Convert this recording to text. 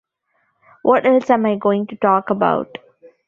What else am I going to talk about?